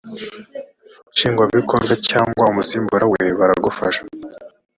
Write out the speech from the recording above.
nshingwabikorwa cyangwa umusimbura we baragufasha